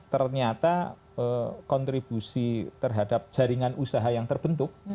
ternyata kontribusi terhadap jaringan usaha yang terbentuk